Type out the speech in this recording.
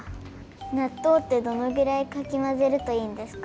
なっとうってどのぐらいかきまぜるといいんですか？